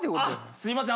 すいません。